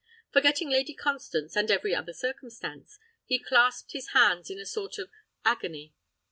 Forgetting Lady Constance and every other circumstance, he clasped his hands in a sort of agony.